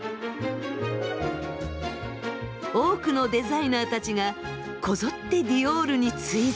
多くのデザイナーたちがこぞってディオールに追随。